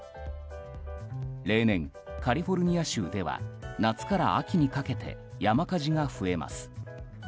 例年、カリフォルニア州では夏から秋にかけて山火事が増えます。